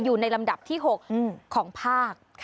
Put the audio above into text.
อยู่ในลำดับที่๖ของภาค